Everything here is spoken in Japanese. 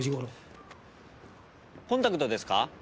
コンタクトですか？